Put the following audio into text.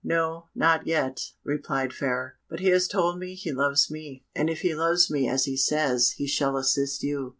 "No, not yet," replied Fairer; "but he has told me he loves me; and if he loves me as he says, he shall assist you."